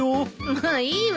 もういいわよ